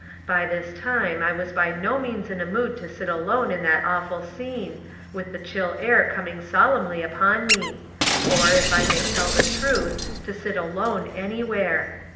By this time, I was by no means in a mood to sit alone in that awful scene, with the chill air coming solemnly upon me—or, if I may tell the truth, to sit alone anywhere.